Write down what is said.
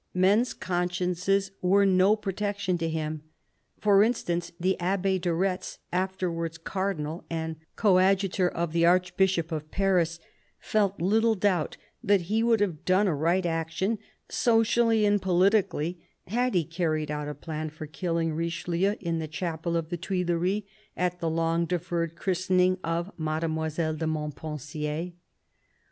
Men's consciences were no pro tection to him. For instance, the Abbe de Retz, afterwards Cardinal and Coadjutor of the Archbishop of Paris, felt little doubt that he would have done a right action, socially and politically, had he carried out a plan for killing Richelieu in the chapel of the Tuileries, at the long deferred christening of Mademoiselle de Montpensier.